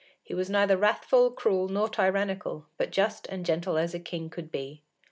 He was neither wrathful, cruel, nor tyrannical, but just and gentle as a king could be.